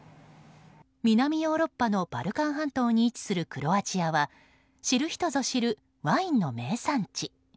南ヨーロッパのバルカン半島に位置するクロアチアは知る人ぞ知るワインの名産地。